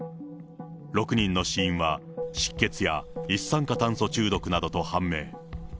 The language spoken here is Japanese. ６人の死因は失血や一酸化炭素中毒などと判明。